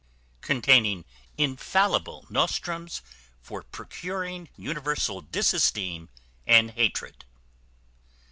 Containing infallible nostrums for procuring universal disesteem and hatred.